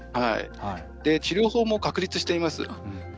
治療法も確立しています。